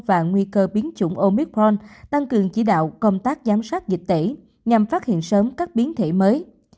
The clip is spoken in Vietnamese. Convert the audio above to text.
và nguy cơ biến chủng ôn biết khoan tăng cường chỉ đạo công tác giám sát dịch tễ nhằm phát hiện sớm các biến thể mới